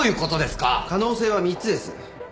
可能性は３つです。